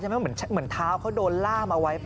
เหมือนเท้าเขาโดนล่ามเอาไว้ป่